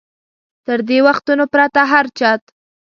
تر دې وختونو پرته هر چت.